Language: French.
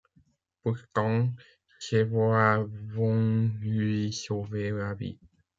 Pourtant, ces voix vont lui sauver la vie.